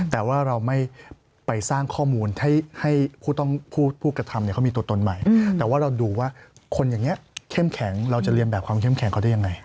แต่ว่าเราไม่ไปสร้างข้อมูลให้ผู้กระทำเขามีตัวตนใหม่แต่ว่าเราดูว่าคนอย่างนี้เข้มแข็งเราจะเรียนแบบความเข้มแข็งเขาได้ยังไง